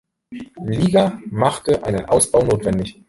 Liga machte einen Ausbau notwendig.